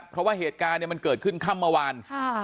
เพราะว่าเหตุการณ์มันเกิดขึ้นค่ำเมื่อวาน